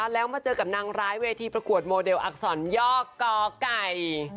แล้วมาเจอกับนางร้ายเวทีประกวดโมเดลอักษรย่อกไก่